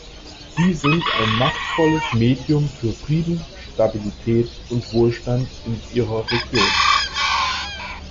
Sie sind ein machtvolles Medium für Frieden, Stabilität und Wohlstand in Ihrer Region.